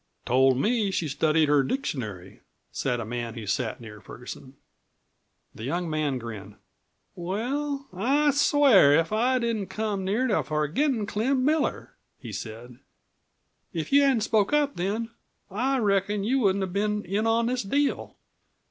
"Told me she'd studied her dictionary," said a man who sat near Ferguson. The young man grinned. "Well, I swear if I didn't come near forgettin' Clem Miller!" he said. "If you hadn't spoke up then, I reckon you wouldn't have been in on this deal.